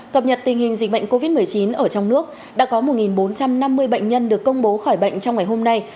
cập nhật tình hình dịch bệnh covid một mươi chín ở trong nước đã có một bốn trăm năm mươi bệnh nhân được công bố khỏi bệnh trong ngày hôm nay